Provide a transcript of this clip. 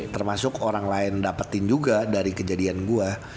termasuk orang lain dapetin juga dari kejadian gue